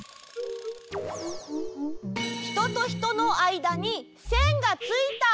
ひととひとのあいだにせんがついた！